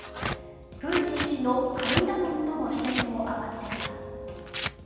プーチン氏の神頼みとの指摘も上がっています。